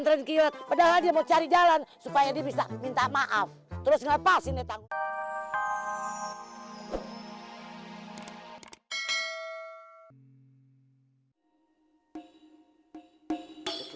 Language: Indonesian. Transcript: terakhir padahal dia mau cari jalan supaya dia bisa minta maaf terus lepasin ditangguh